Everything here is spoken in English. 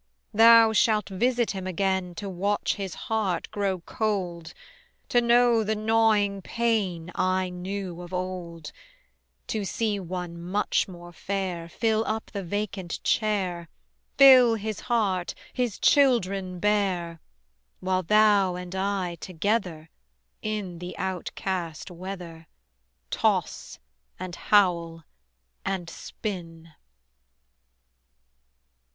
Thou shalt visit him again To watch his heart grow cold; To know the gnawing pain I knew of old; To see one much more fair Fill up the vacant chair, Fill his heart, his children bear: While thou and I together In the outcast weather Toss and howl and spin.